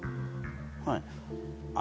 はい。